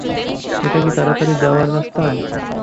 এটা কি তাড়াতাড়ি যাওয়ার রাস্তা?